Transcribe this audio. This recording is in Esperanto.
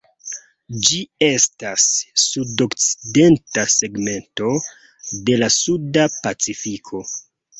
Ĝi estas sudokcidenta segmento de la Suda Pacifiko.